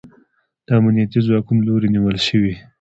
د امنیتي ځواکونو له لوري نیول شوی